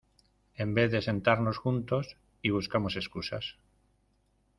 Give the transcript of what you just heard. en vez de sentarnos juntos y buscamos excusas